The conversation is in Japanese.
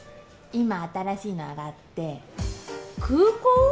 今新しいの上がって空港？